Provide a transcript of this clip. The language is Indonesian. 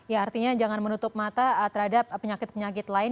ya artinya jangan menutup mata terhadap penyakit penyakit lain